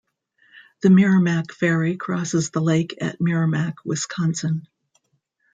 The Merrimac Ferry crosses the lake at Merrimac, Wisconsin.